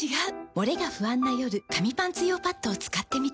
モレが不安な夜紙パンツ用パッドを使ってみた。